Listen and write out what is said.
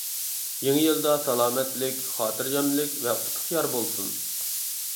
يېڭى يىلدا سالامەتلىك، خاتىرجەملىك ۋە ئۇتۇق يار بولسۇن.